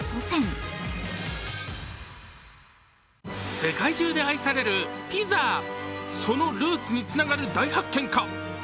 世界中で愛されるピザそのルーツにつながる大発見か？